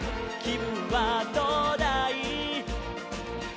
「きぶんはどうだい？」